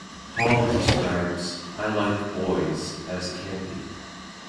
Hall describes "I Like Boys" as campy.